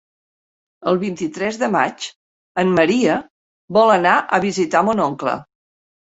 El vint-i-tres de maig en Maria vol anar a visitar mon oncle.